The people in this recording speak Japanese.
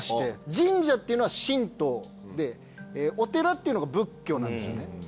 神社っていうのは神道でお寺っていうのが仏教なんですよね。